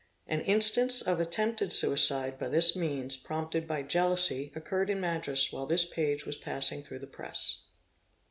An instance of attempted suicide by this means, prompted by jealousy, occurred in Madras while this page was passing through the press.